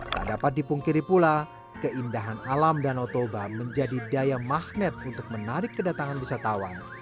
dan dapat dipungkiri pula keindahan alam danau toba menjadi daya magnet untuk menarik kedatangan wisatawan